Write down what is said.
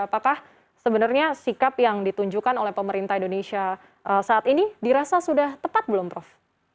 apakah sebenarnya sikap yang ditunjukkan oleh pemerintah indonesia saat ini dirasa sudah tepat belum prof